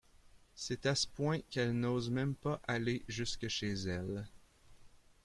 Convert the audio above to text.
C'est à ce point qu'elle n'ose même pas aller jusque chez elle.